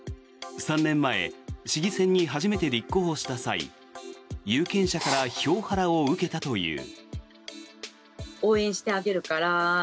３年前市議選に初めて立候補した際有権者から票ハラを受けたという。